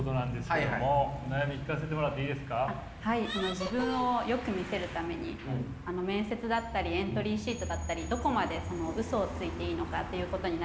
自分をよく見せるために面接だったりエントリーシートだったりどこまでウソをついていいのかっていうことに悩んでおります。